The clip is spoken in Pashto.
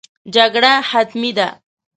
جګړه حتمي ده.